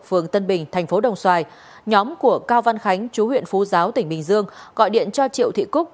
phường tân bình thành phố đồng xoài nhóm của cao văn khánh chú huyện phú giáo tỉnh bình dương gọi điện cho triệu thị cúc